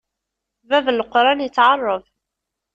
Bab n leqṛan ittɛaṛṛeb.